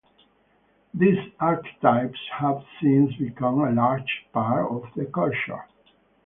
These archetypes have since become a larger part of the culture.